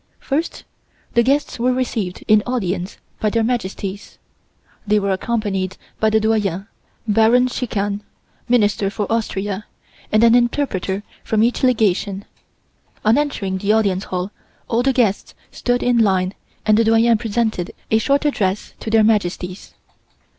First the guests were received in audience by Their Majesties. They were accompanied by the Doyen, Baron Czikann, Minister for Austria, and an interpreter from each Legation. On entering the Audience Hall all the guests stood in line and the Doyen presented a short address to Their Majesties.